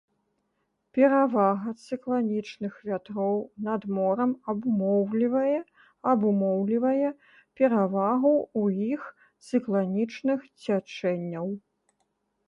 Перавага цыкланічных вятроў над морам абумоўлівае абумоўлівае перавагу ў іх цыкланічных цячэнняў.